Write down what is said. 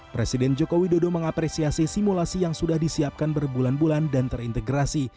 presiden joko widodo mengapresiasi simulasi yang sudah disiapkan berbulan bulan dan terintegrasi